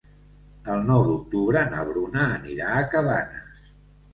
El nou d'octubre na Bruna anirà a Cabanes.